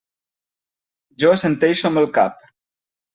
Jo assenteixo amb el cap.